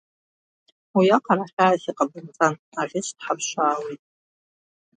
Уиаҟара хьаас иҟабымҵан, аӷьыч дҳаԥшаауеит.